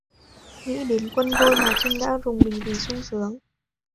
Nghĩ đến quân thôi mà trinh đã rùng mình vì sung sướng